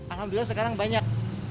alhamdulillah sekarang banyak